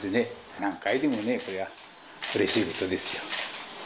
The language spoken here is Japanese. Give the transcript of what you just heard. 何回でもそりゃうれしいことですよ。